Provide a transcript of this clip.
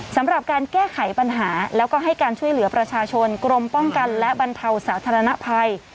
สำหรับการแก้ไขปัญหาแล้วก็ให้การช่วยเหลือประชาชนกรมป้องกันและบรรเทาสาธารณภัย